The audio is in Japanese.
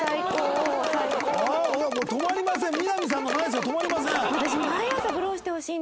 止まりません。